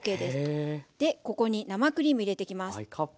でここに生クリーム入れてきます。